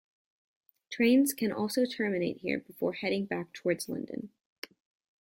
Trains can also terminate here before heading back towards London.